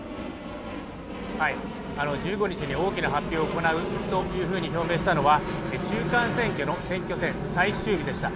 １５日に大きな発表を行うと表明したのは中間選挙の選挙戦最終日でした。